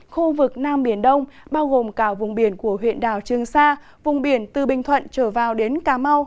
khu vực nam biển đông bao gồm cả vùng biển của huyện đảo trương sa vùng biển từ bình thuận trở vào đến cà mau